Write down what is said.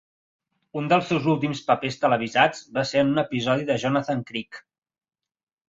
Un dels seus últims papers televisats va ser en un episodi de Jonathan Creek.